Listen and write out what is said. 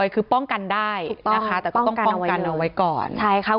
คือป้องกันได้นะคะแต่ก็ต้องป้องกันเอาไว้ก่อนใช่ค่ะ